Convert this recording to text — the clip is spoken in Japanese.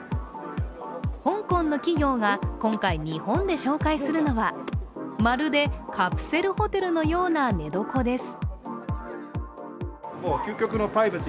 香港の企業が今回日本で紹介するのはまるで、カプセルホテルのような寝床です。